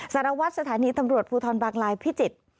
สารวัตรสถานีตำรวจภูทรบางลายพิจิตร